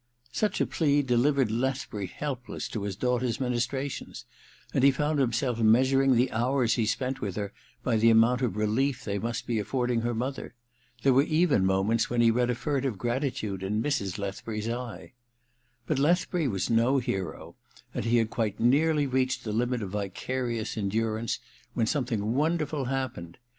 Such a plea delivered Lethbury helpless to his daughter's ministrations ; and he found himself measuring the hours he spent mth her by the amount of relief they must be affording her mother. There were even moments when he read a furtive gratitude in Mrs. Lethbury's eye. But Lethbury was no hero, and he had nearly reached the limit of vicarious endurance when something wonderful happened.